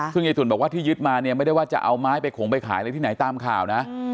ซึ่งยายตุ๋นบอกว่าที่ยึดมาเนี่ยไม่ได้ว่าจะเอาไม้ไปขงไปขายอะไรที่ไหนตามข่าวนะ